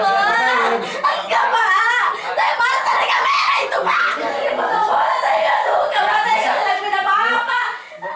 pak saya pasal dengan mereka itu pak